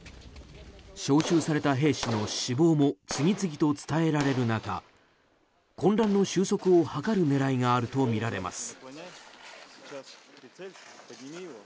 招集された兵士の死亡も次々と伝えられる中混乱の収束を図る狙いがあるとみられます。